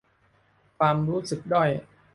ความรู้สึกด้อย